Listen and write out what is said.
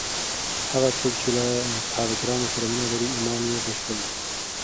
هغه څوک چې له صحابه کرامو سره مینه لري، ایمان یې بشپړ دی.